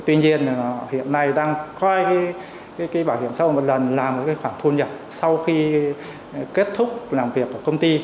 tuy nhiên hiện nay đang coi bảo hiểm xã hội một lần làm một khoản thu nhập sau khi kết thúc làm việc ở công ty